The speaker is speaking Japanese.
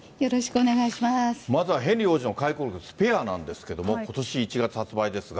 まずはヘンリー王子の回顧録、スペアなんですけども、ことし１月発売ですが。